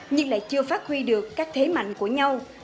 nhưng lại chưa phát huy được các thế mạnh của nhau